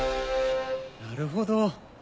なるほど。